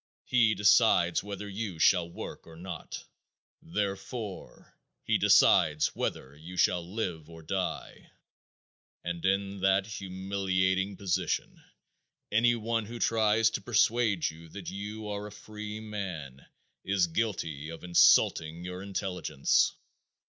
He decides whether you shall work or not. Therefore, he decides whether you shall live or die. And in that humiliating position any one who tries to persuade you that you are a free man is guilty of insulting your intelligence.